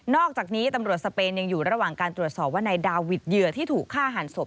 อกจากนี้ตำรวจสเปนยังอยู่ระหว่างการตรวจสอบว่านายดาวิทเหยื่อที่ถูกฆ่าหันศพ